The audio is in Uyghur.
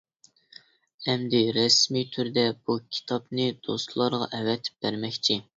ئەمدى رەسمىي تۈردە بۇ كىتابنى دوستلارغا ئەۋەتىپ بەرمەكچى.